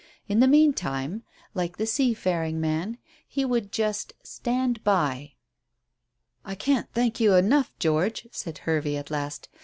In the meantime, like the seafaring man, he would just "stand by." "I can't thank you enough, George," said Hervey at last.